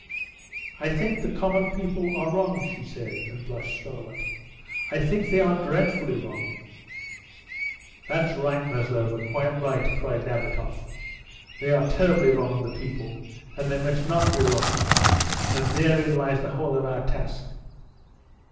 "I think the common people are wronged," she said, and blushed scarlet. "I think they are dreadfully wronged." "That's right, Maslova, quite right," cried Nabatoff. "They are terribly wronged, the people, and they must not be wronged, and therein lies the whole of our task."